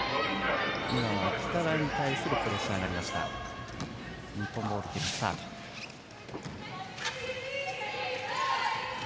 北田に対するプレッシャーがありました。